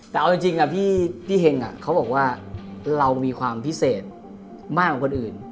แต่เอาจริงพี่เห็งเขาบอกว่าเรามีความพิเศษมากกว่าคนอื่น